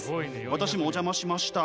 私もお邪魔しました。